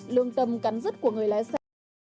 lương tâm cắn rứt của người lái xe